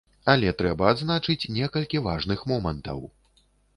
Але трэба адзначыць некалькі важных момантаў.